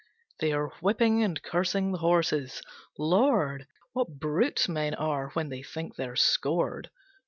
They are whipping and cursing the horses. Lord! What brutes men are when they think they're scored.